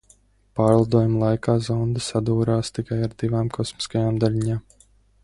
Pārlidojuma laikā zonde sadūrās tikai ar divām kosmiskajām daļiņām.